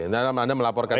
menurut anda melaporkan itu